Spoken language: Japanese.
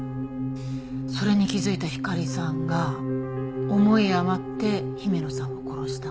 それに気づいたひかりさんが思い余って姫野さんを殺した？